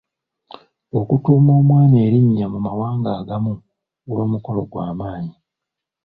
Okutuuma omwana erinnya mu mawanga agamu guba mukolo gw'amaanyi.